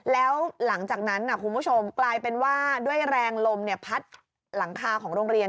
แล้วหลังจากนั้นคุณผู้ชมกลายเป็นว่าด้วยแรงลมพัดหลังคาของโรงเรียน